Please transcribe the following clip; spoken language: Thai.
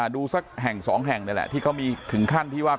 ดูสักแห่งสองแห่งนี่แหละที่เขามีถึงขั้นที่ว่า